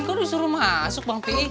tin kok lo disuruh masuk bang pih